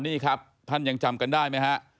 นี่ครับท่านยังจำกันได้ไหมฮะ